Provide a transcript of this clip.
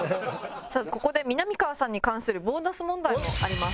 さあここでみなみかわさんに関するボーナス問題もあります。